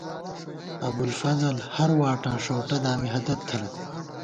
ابُوالفضل ہر واٹاں ݭؤٹہ دامی ہَدَت تھنہ